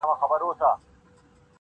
چي غوږونو ته مي شرنګ د پایل راسي-